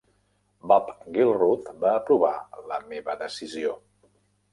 Bob Gilruth va aprovar la meva decisió.